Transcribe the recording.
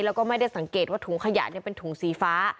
แล้วก็ไม่ได้สังเกตว่าถุงขยะเป็นถุงสีฟ้า